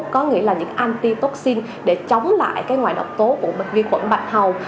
có nghĩa là những anti toxin để chống lại cái ngoại độc tố của viên khuẩn bạch hầu